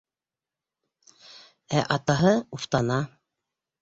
Ә атаһы уфтана.